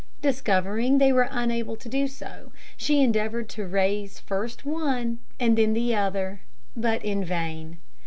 Discovering that they were unable to do so, she endeavoured to raise first one, and then the other; but in vain.